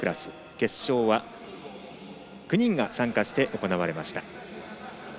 決勝は、９人が参加して行われました。